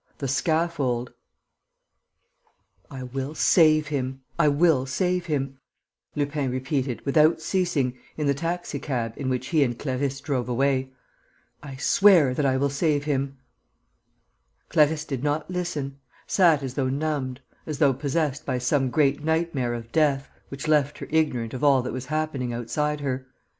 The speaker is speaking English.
THE SCAFFOLD "I will save him, I will save him," Lupin repeated, without ceasing, in the taxicab in which he and Clarisse drove away. "I swear that I will save him." Clarisse did not listen, sat as though numbed, as though possessed by some great nightmare of death, which left her ignorant of all that was happening outside her.